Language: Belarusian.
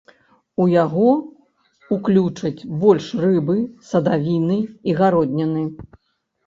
У яго ўключаць больш рыбы, садавіны і гародніны.